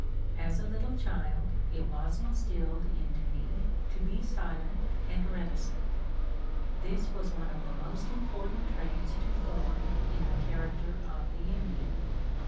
As a little child, it was instilled into me to be silent and reticent. This was one of the most important traits to form in the character of the Indian.